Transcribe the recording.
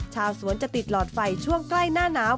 ชาวสวนจะติดหลอดไฟช่วงใกล้หน้าหนาว